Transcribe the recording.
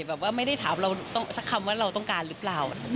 แบบว่าไม่ได้ถามเราสักคำว่าเราต้องการหรือเปล่า